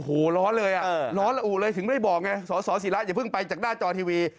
โอ้โหร้อนเลยถึงไม่ได้บอกไงสศิระอย่าเพิ่งไปจากหน้าจอทีวี